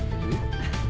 えっ？